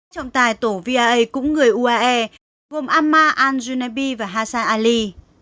trọng tài tổ via cũng người uae gồm ahmad al junaibi và hassan ali